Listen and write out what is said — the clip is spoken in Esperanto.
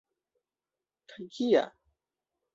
Kaj kia?